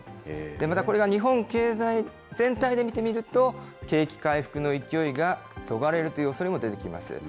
またこれが日本経済全体で見てみると、景気回復の勢いがそがれるというおそれも出てきます。